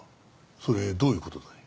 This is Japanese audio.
それどういう事だい？